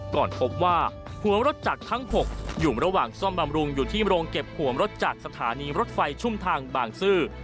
ก่อนพบว่าหัวรถจักรทั้ง๖อยู่ระหว่างซ่อมบำรุงอยู่ที่โรงเก็บหัวรถจากสถานีรถไฟชุ่มทางบางซื่อ